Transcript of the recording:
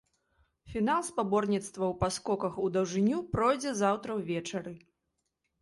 Фінал спаборніцтваў па скоках у даўжыню пройдзе заўтра ўвечары.